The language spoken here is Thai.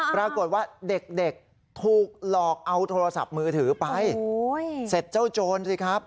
ปรากฏว่าเด็กถูกหลอกเอาโทรศัพท์มือถือไปเสร็จเจ้าโจรสิครับ